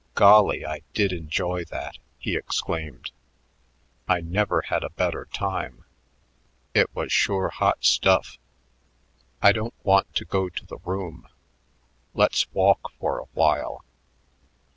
"Golly, I did enjoy that," he exclaimed. "I never had a better time. It was sure hot stuff. I don't want to go to the room; let's walk for a while."